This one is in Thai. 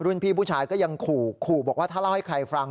พี่ผู้ชายก็ยังขู่ขู่บอกว่าถ้าเล่าให้ใครฟัง